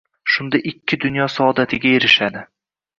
Shunda ikki dunyo saodatiga erishadi.